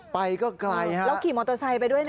ไปก็ไกลแล้วขี่มอเตอร์ไซค์ไปด้วยนะ